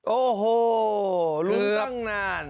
โอ้โหลุ้นตั้งนาน